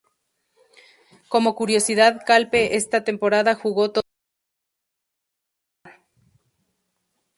Como curiosidad, Calpe esa temporada jugó todos los partidos y además de titular.